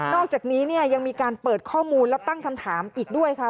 อกจากนี้เนี่ยยังมีการเปิดข้อมูลและตั้งคำถามอีกด้วยค่ะ